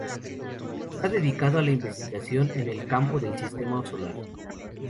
Está dedicado a la investigación en el campo del sistema solar.